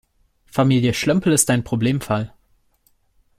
Familie Schlömpel ist ein Problemfall.